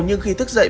nhưng khi thức dậy